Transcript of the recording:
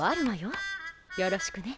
よろしくね。